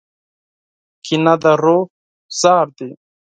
کینه د روح زهر دي.